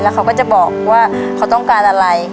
เขาก็จะบอกว่าเขาต้องการอะไร